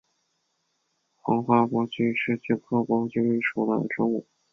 黄花珀菊是菊科珀菊属的植物。